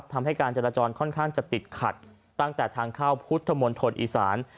ทำให้การจราจรค่อนข้างจะติดขัดตั้งแต่ทางเข้าพุทธมณฑลอีสาน